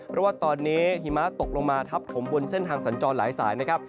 เพราะว่าตอนนี้หิมะตกลงมาทับถมบนเส้นทางสัญจรหลายสายนะครับ